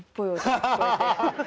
ハハハハハ！